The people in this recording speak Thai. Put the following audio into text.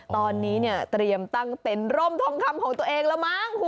ตอนนี้เตรียมตั้งเต็นรมทองคำของตัวเองแล้วมั้งคุณ